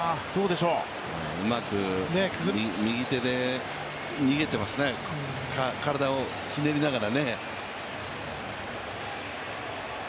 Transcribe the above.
うまく右手で逃げていますね、体をひねりながら。